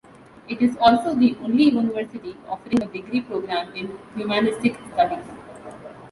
It is also the only university offering a degree programme in humanistic studies.